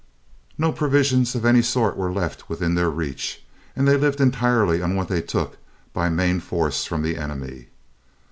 No provisions of any sort were left within their reach and they lived entirely on what they took by main force from the enemy.